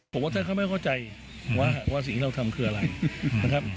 ผมว่าท่านเขาไม่เข้าใจว่าสิ่งที่เราทำคืออะไรนะครับ